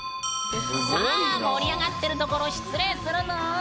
さあ盛り上がってるところ失礼するぬん！